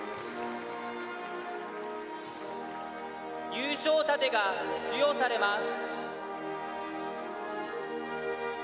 優勝盾が授与されます。